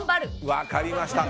分かりました。